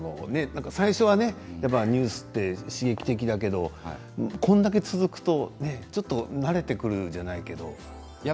最初はニュースって刺激的だけどこれだけ続くとちょっと慣れてくるじゃないけど。